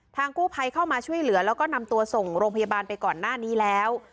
กู้ภัยเข้ามาช่วยเหลือแล้วก็นำตัวส่งโรงพยาบาลไปก่อนหน้านี้แล้ว